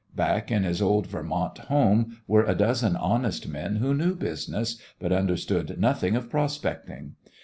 Back in his old Vermont home were a dozen honest men who knew business, but understood nothing of prospecting.